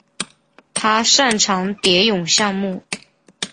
他擅长蝶泳项目。